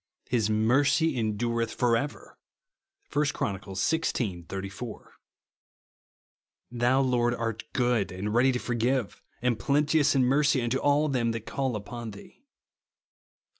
"His mercy en durethfor ever," (1 Chron. xvi. 84), " Thou, Lord, art good, and ready to forgive, and plenteous in mercy unto all them that call upon thee," (Psa.